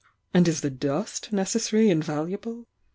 And is the dust ne<»s sary and valuable?